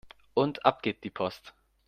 Und ab geht die Post!